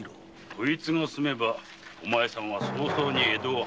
こいつが済めばお前さんは早々に江戸を離れることだな。